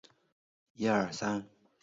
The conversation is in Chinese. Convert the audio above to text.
每个章节的标题显示该节的视点角色。